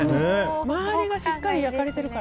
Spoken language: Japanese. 周りがしっかり焼かれているから。